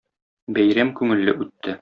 Бәйрәм күңелле үтте.